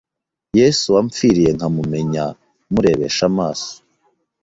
Yesu wamfiriye nkamumenya murebesha amaso